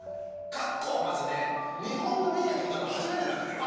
ＫＡＫＫＯはまずね日本のメディアで歌うの初めてなんだよ。